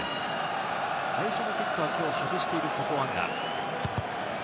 最初のキックは外している、ソポアンガ。